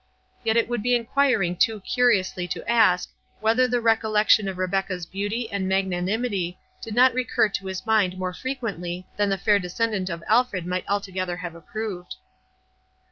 Yet it would be enquiring too curiously to ask, whether the recollection of Rebecca's beauty and magnanimity did not recur to his mind more frequently than the fair descendant of Alfred might altogether have approved.